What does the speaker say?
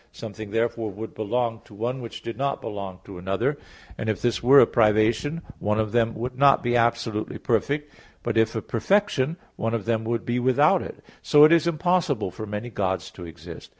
Something therefore would belong to one which did not belong to another. And if this were a privation, one of them would not be absolutely perfect; but if a perfection, one of them would be without it. So it is impossible for many gods to exist.